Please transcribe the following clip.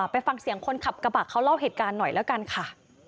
ไปฟังเสียงคนขับกระบะเขาเล่าเหตุการณ์หน่อยแล้วกันค่ะ